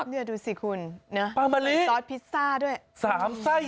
นี่ดูสิคุณซอสพิซซ่าด้วยป้าบะลิ